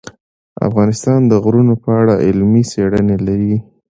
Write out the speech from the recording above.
افغانستان د غرونه په اړه علمي څېړنې لري.